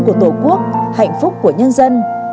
của tổ quốc hạnh phúc của nhân dân